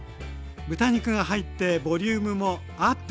豚肉が入ってボリュームもアップ。